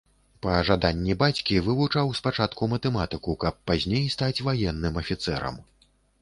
Па жаданні бацькі вывучаў спачатку матэматыку, каб пазней стаць ваенным афіцэрам.